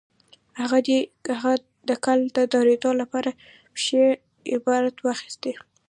هغه د کار د درېدو له پېښې عبرت واخيست.